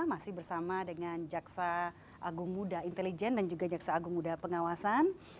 masih bersama dengan jaksa agung muda intelijen dan juga jaksa agung muda pengawasan